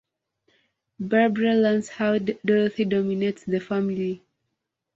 Barbara learns how Dorothy dominates the family.